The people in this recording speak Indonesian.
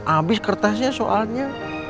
abis kertasnya soalnya